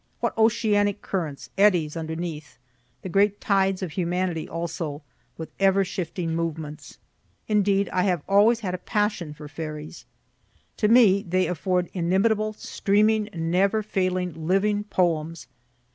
What oceanic currents, eddies, underneath the great tides of humanity also, with ever shifting movements. Indeed, I have always had a passion for ferries; to me they afford inimitable, streaming, never failing, living poems.